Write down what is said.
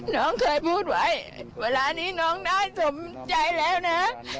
น้องเคยพูดไว้เวลานี้น้องได้สมใจแล้วนะ